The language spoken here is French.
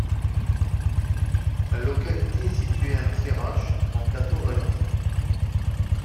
La localité est située en Thiérache sur un plateau vallonée.